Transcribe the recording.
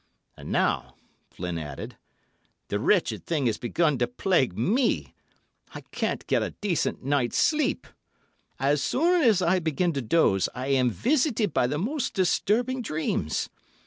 And now," Flynn added, "the wretched thing has begun to plague me. I can't get a decent night's sleep. As soon as I begin to doze I am visited by the most disturbing dreams.